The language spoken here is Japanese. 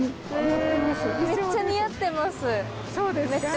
そうですか？